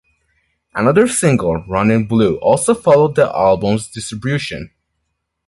Another single, "Runnin' Blue", also followed the album's distribution.